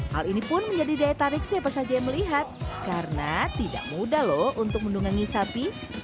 hal ini pun menjadi daya tarik siapa saja yang melihat karena tidak mudah loh untuk mendungangi sapi